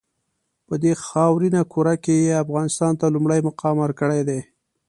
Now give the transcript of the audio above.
په دې خاورینه کُره کې یې افغانستان ته لومړی مقام ورکړی دی.